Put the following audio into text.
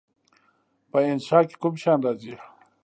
په انشأ کې کوم شیان راځي؟